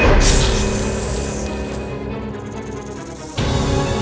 aku mau ke rumah